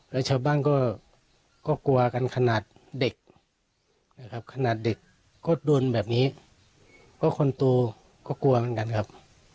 แล้วชาวบ้านก็กลัวกันขนาดเด็กนะครับขนาดเด็กก็โดนแบบนี้ก็คนโตก็กลัวเหมือนกันครับ